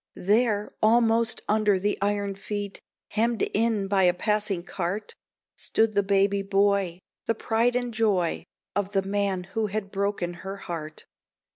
There, almost under the iron feet, Hemmed in by a passing cart, Stood the baby boy the pride and joy Of the man who had broken her heart.